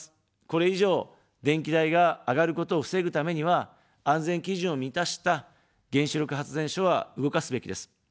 これ以上、電気代が上がることを防ぐためには、安全基準を満たした原子力発電所は動かすべきです。